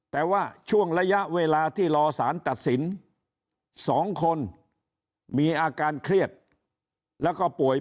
แต่ว่าช่วงระยะเวลาที่รอสารตัดสิน๒คนมีอาการเครียดแล้วก็ป่วย